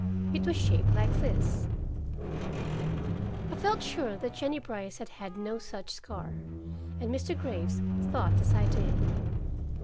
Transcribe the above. It was shaped like this: I felt sure that Jennie Brice had had no such scar, and Mr. Graves thought as I did.